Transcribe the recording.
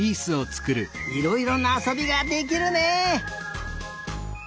いろいろなあそびができるね。